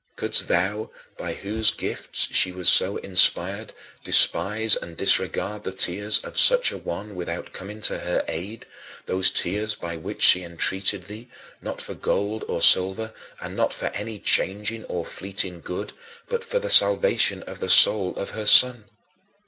Couldst thou, by whose gifts she was so inspired, despise and disregard the tears of such a one without coming to her aid those tears by which she entreated thee, not for gold or silver, and not for any changing or fleeting good, but for the salvation of the soul of her son?